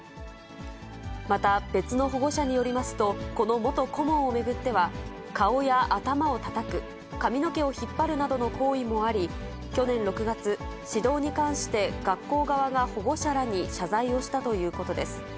また、別の保護者によりますと、この元顧問を巡っては、顔や頭をたたく、髪の毛を引っ張るなどの行為もあり、去年６月、指導に関して学校側が保護者らに謝罪をしたということです。